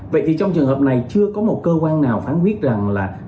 vậy thì trong trường hợp này chưa có một cơ quan nào phán quyết rằng là